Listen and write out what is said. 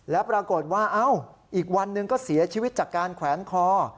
แล้วปรากฏว่าเอ้าอีกวันหนึ่งก็เสียชีวิตจากการแขวนคอ